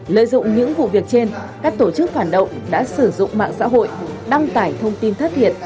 lợi dụng những vụ việc trên các tổ chức phản động đã sử dụng mạng xã hội đăng tải thông tin thất thiệt